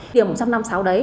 điểm một trăm năm mươi sáu đấy